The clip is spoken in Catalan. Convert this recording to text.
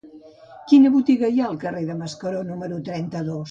Quina botiga hi ha al carrer de Mascaró número trenta-dos?